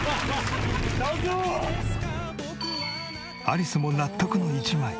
アリスも納得の一枚。